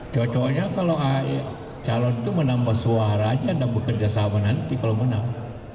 cocoknya kalau calon itu menambah suara aja dan bekerja sama nanti kalau menang